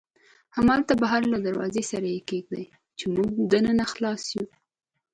همالته بهر له دروازې سره یې کېږدئ، چې موږ دننه خلاص یو.